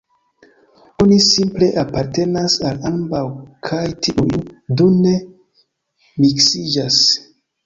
Oni simple apartenas al ambaŭ kaj tiuj du ne miksiĝas.